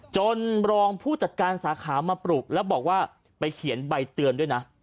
รองผู้จัดการสาขามาปลุกแล้วบอกว่าไปเขียนใบเตือนด้วยนะ